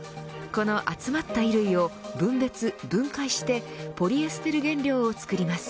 この集まった衣類を分別、分解してポリエステル原料を作ります。